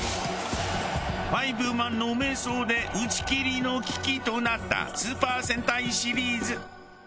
『ファイブマン』の迷走で打ち切りの危機となったスーパー戦隊シリーズ。